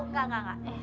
enggak enggak enggak